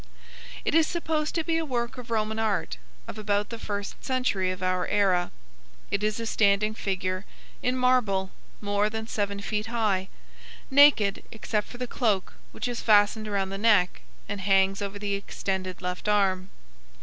It is supposed to be a work of Roman art, of about the first century of our era. It is a standing figure, in marble, more than seven feet high, naked except for the cloak which is fastened around the neck and hangs over the extended left arm.